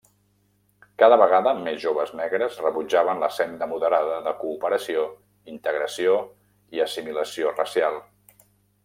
Cada vegada més joves negres rebutjaven la senda moderada de cooperació, integració i assimilació racial.